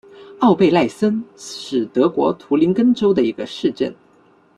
奥贝赖森是德国图林根州的一个市镇。